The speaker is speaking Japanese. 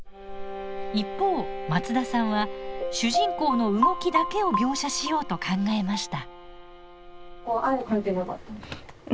一方松田さんは主人公の動きだけを描写しようと考えました。